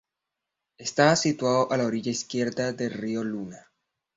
Estaba situado a la orilla izquierda del río Luna.